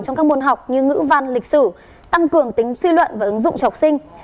trong các môn học như ngữ văn lịch sử tăng cường tính suy luận và ứng dụng cho học sinh